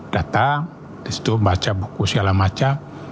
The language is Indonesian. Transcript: datang di situ baca buku segala macam